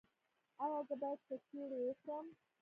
ایا زه باید کیچړي وخورم؟